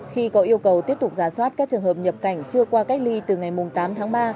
khi có yêu cầu tiếp tục giả soát các trường hợp nhập cảnh chưa qua cách ly từ ngày tám tháng ba